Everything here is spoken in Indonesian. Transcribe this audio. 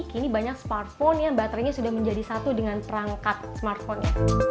kini banyak smartphone yang baterainya sudah menjadi satu dengan perangkat smartphone nya